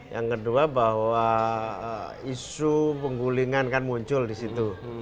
yang kedua bahwa isu penggulingan kan muncul disitu